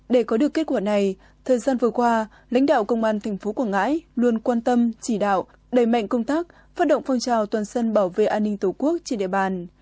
để có được kết quả này thời gian vừa qua lãnh đạo công an tp quảng ngãi luôn quan tâm chỉ đạo đẩy mạnh công tác phát động phong trào toàn dân bảo vệ an ninh tổ quốc trên địa bàn